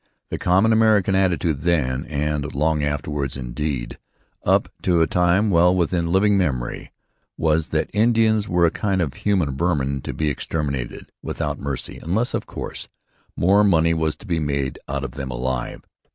The common American attitude then and long afterwards indeed, up to a time well within living memory was that Indians were a kind of human vermin to be exterminated without mercy, unless, of course, more money was to be made out of them alive.